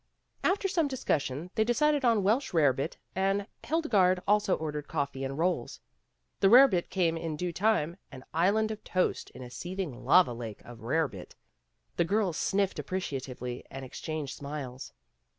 After some discussion they decided on welsh rarebit, and Hildegarde also ordered coffee and rolls. The rarebit came in due time, an island of toast in a seething lava lake of rarebit. The girls sniffed appreciatively and exchanged smiles.